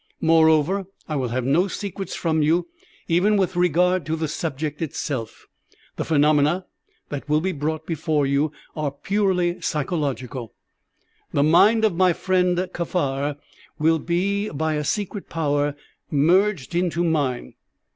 Moreover, I will have no secrets from you even with regard to the subject itself. The phenomena that will be brought before you are purely psychological. The mind of my friend Kaffar will be, by a secret power, merged into mine.